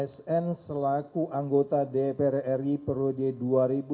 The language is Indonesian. sn selalu menerbitkan surat perintah penyelidikan pada tanggal tiga puluh satu oktober dua ribu tujuh belas